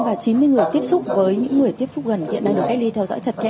và chín mươi người tiếp xúc với những người tiếp xúc gần hiện đang được cách ly theo dõi chặt chẽ